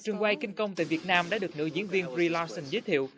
cảnh quay kinh công tại việt nam đã được nữ diễn viên brie larson giới thiệu